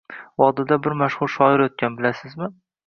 – Vodilda bir mashxur shoir o’tgan, bilasizmi?